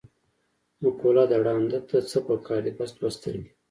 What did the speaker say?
مقوله ده: ړانده ته څه په کار دي، بس دوه سترګې.